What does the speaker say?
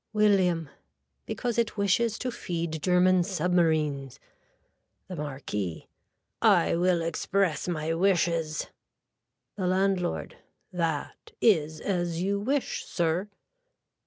(William.) Because it wishes to feed german submarines. (The Marquis.) I will express my wishes. (The landlord.) That is as you wish sir.